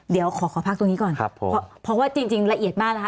เดี๋ยวขอขอพักตรงนี้ก่อนครับผมเพราะว่าจริงละเอียดมากนะคะ